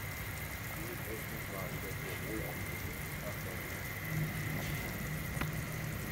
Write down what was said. Diese Technik war über Tirol aus Venedig nach Deutschland gelangt.